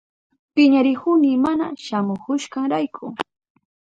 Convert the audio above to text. Piñarihuni mana shamuhushkanrayku.